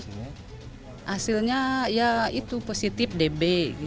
hasilnya ya itu positif db